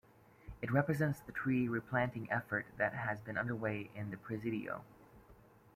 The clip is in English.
It represents the tree replanting effort that has been underway at the Presidio.